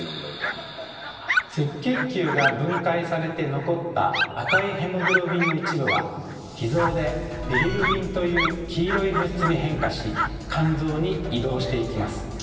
赤血球が分解されて残った赤いヘモグロビンの一部は脾臓でビリルビンという黄色い物質に変化し肝臓に移動していきます。